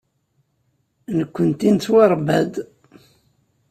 Nekkenti nettwaṛebba-d.